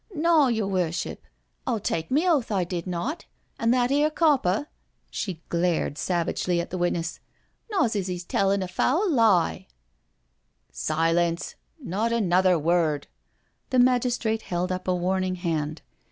" Naw, yer worship, I'll take me oath I did not— an' that 'ere copper "— ^she glared savagely at the witness —" knaws as 'e's a tellin' a foul lie "" Silence— not another word." The magistrate held up a warning hand.